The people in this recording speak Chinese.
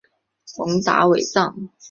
蒙达韦藏。